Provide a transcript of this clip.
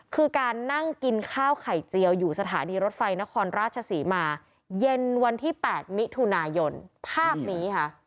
คือการนั่งกินข้าวไข่เจียวอยู่สถานีรถไฟนครราชศรีมาเย็นวันที่๘มิถุนายนภาพนี้ค่ะ